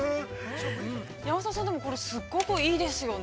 ◆山里さん、これすごくいいですよね。